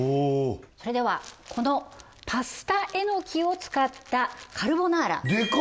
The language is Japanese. それではこのパスタえのきを使ったカルボナーラでかっ！